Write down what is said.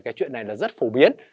cái chuyện này là rất phổ biến